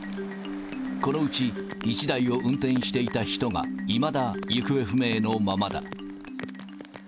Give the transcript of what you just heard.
このうち１台を運転していた人がいまだ行方不明のままだ。